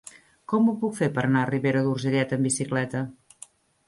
Com ho puc fer per anar a Ribera d'Urgellet amb bicicleta?